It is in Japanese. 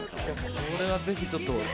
これはぜひちょっと。